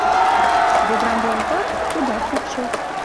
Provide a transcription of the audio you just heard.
Ведрам руалта — тудат кукшо.